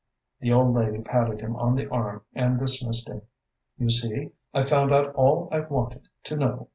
The old lady patted him on the arm and dismissed him. "You see, I've found out all I wanted to know!"